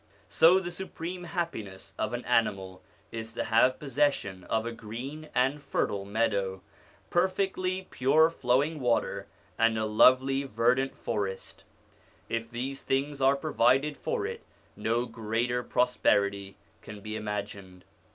So the supreme happiness of an animal is to have possession of a green and fertile meadow, per fectly pure flowing water, and a lovely, verdant forest If these things are provided for it, no greater pro sperity can be imagined.